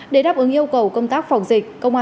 để đáp ứng yêu cầu công tác phòng dịch